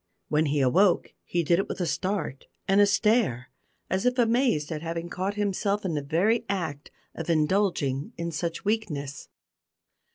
When he awoke he did it with a start and a stare, as if amazed at having caught himself in the very act of indulging in such weakness.